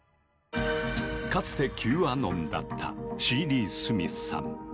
かつてＱアノンだったシーリー・スミスさん。